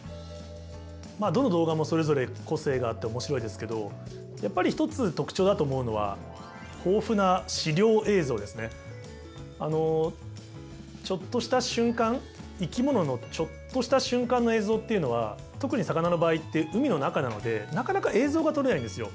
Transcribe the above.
まあどの動画もそれぞれ個性があって面白いですけどやっぱり一つ特徴だと思うのはあのちょっとした瞬間生き物のちょっとした瞬間の映像っていうのは特に魚の場合って海の中なのでなかなか映像が撮れないんですよ。